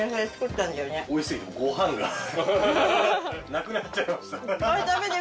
なくなっちゃいました。